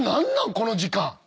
この時間。